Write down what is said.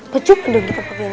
pecukkan dong kita pake ini